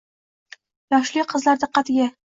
- yoshli qizlar diqqatiga